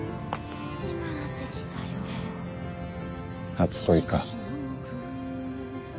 初恋か。